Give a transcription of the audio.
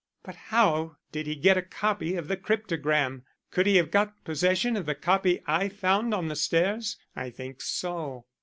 "But how did he get a copy of the cryptogram? Could he have got possession of the copy I found on the stairs?" "I think so."